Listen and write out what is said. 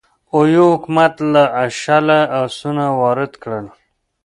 اویو حکومت له شله اسونه وارد کړل.